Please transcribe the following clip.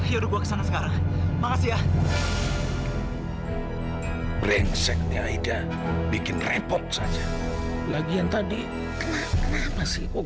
ya udah gua kesana sekarang makasih ya brengseknya aida bikin repot saja lagian tadi kenapa sih kok